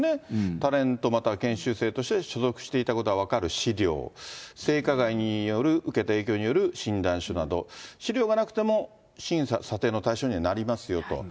タレントまたは研修生として所属していたことが分かる資料、性加害による、受けた影響による診断書など、資料がなくても審査、査定の対象にはなりますよと。